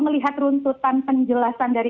melihat runtutan penjelasan dari